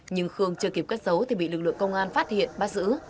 nhưng khương chưa kịp cất giấu thì bị lực lượng công an phát hiện bắt giữ